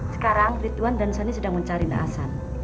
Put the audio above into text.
sekarang ridwan dan sani sedang mencari naasan